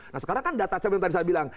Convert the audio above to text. nah sekarang kan data cap yang tadi saya bilang